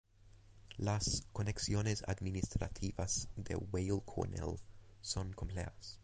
Las conexiones administrativas de Weill Cornell son complejas.